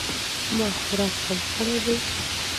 ما خوراک کم کړی دی